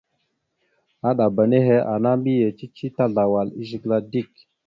Aɗaba nehe ana mbiyez cici tazlawal e zigəla dik.